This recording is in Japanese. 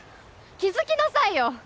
気付きなさいよ！